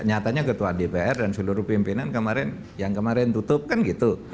nyatanya ketua dpr dan seluruh pimpinan kemarin yang kemarin tutup kan gitu